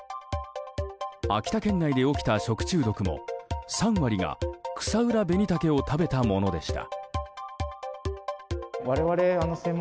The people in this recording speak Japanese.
秋田県内で起きた食中毒も３割がクサウラベニタケを食べたものでした。